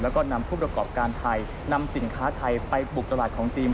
แล้วก็นำผู้ประกอบการไทยนำสินค้าไทยไปบุกตลาดของจีน